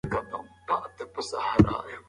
هغه کېناست او د چای توده پیاله یې په لاس کې ونیوله.